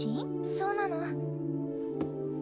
そうなの